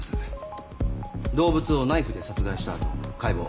動物をナイフで殺害した後解剖。